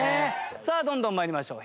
さあどんどん参りましょう。